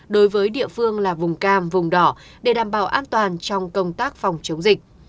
đối với địa phương là vùng cam vùng đỏ để đảm bảo an toàn trong công tác phòng chống dịch